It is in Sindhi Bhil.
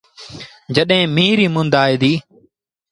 جڏهيݩ ميݩهن ريٚ مند آئي ديٚ۔